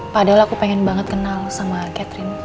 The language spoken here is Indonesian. padahal aku pengen banget kenal sama catherine